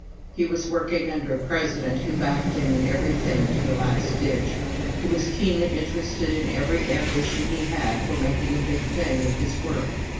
He was working under a President who backed him in everything to the last ditch, who was keenly interested in every ambition he had for making a big thing of his work.